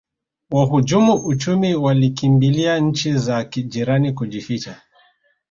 wahujumu uchumi walikimbilia nchi za jirani kujificha